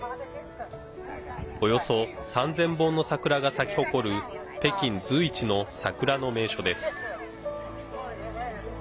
およそ３０００本の桜が咲き誇る北京随一の桜の名所です。